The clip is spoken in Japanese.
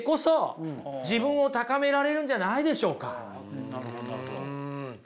でもねなるほどなるほど。